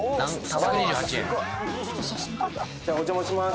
１２８円じゃあお邪魔します